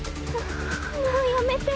もうやめて。